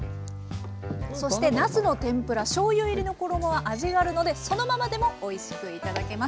そしてなすの天ぷらしょうゆ入りの衣は味があるのでそのままでもおいしく頂けます。